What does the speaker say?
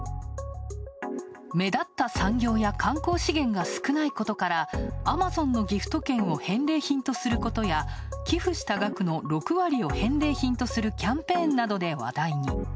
目立った産業や観光資源が少ないことからアマゾンのギフト券を返礼品とすることや寄付した額の６割を返礼品とするキャンペーンなどで話題に。